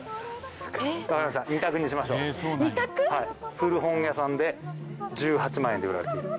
古本屋さんで１８万円で売られている。